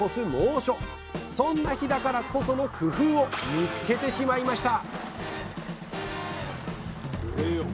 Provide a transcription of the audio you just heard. そんな日だからこその工夫を見つけてしまいました！